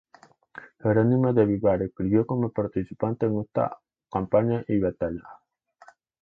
Jerónimo de Vivar escribió como participante en esta campaña y batalla.